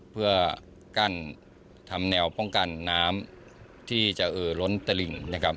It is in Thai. เพื่อกั้นทำแนวป้องกันน้ำที่จะเอ่อล้นตลิ่งนะครับ